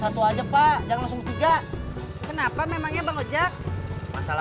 saya belakang rekaman idul adi bikin gw ngasi ngasi dia